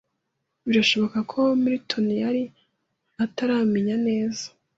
Birashoboka ko Milton yari ataramenya neza